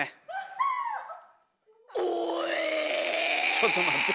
ちょっと待って。